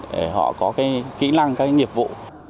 để họ có kỹ năng các nhiệm vụ